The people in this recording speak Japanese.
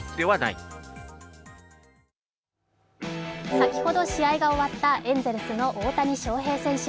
先ほど試合が終わったエンゼルスの大谷翔平選手